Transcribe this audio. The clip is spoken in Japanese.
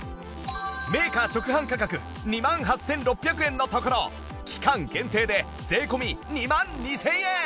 メーカー直販価格２万８６００円のところ期間限定で税込２万２０００円